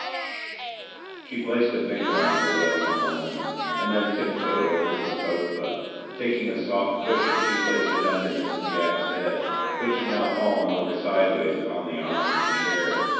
Hsh!" she placed a finger on her lip a moment and then tiptoed over to the sofa; taking a soft cushion she placed it under Mrs. Jack's head, which had now fallen over sideways upon the arm of the chair.